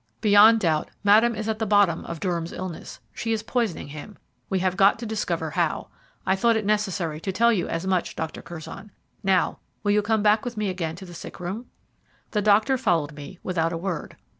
Beyond doubt, Madame is at the bottom of Durham's illness. She is poisoning him we have got to discover how. I thought it necessary to tell you as much, Dr. Curzon. Now, will you come back with me again to the sick room?" The doctor followed me without a word.